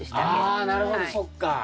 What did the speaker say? あなるほどそっか。